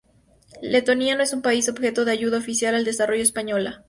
Letonia no es país objeto de Ayuda Oficial al Desarrollo española.